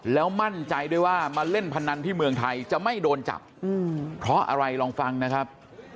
แล้วมั่นใจด้วยว่ามาเล่นพนันที่เมืองไทยจะไม่โดนจับเพราะอะไรลองฟังนะครับ